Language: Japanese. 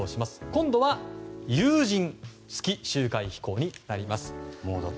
今度は有人月周回飛行になります。